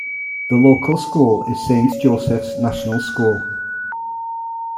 The local school is Saint Joseph's National School.